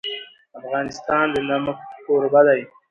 افغانستان د نمک کوربه دی.